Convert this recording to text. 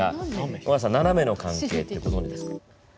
尾形さん、ナナメの関係ってご存じですか？